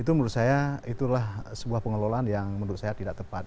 itu menurut saya itulah sebuah pengelolaan yang menurut saya tidak tepat